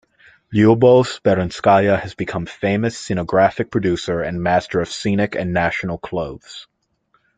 Lyubov Speranskaya has become famous scenographic producer and master of scenic and national clothes.